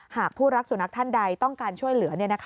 หากผู้รักสุนัขท่านใดต้องการช่วยเหลือ